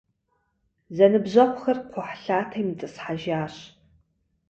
Зэныбжьэгъухэр кхъухьлъатэм итӏысхьэжащ.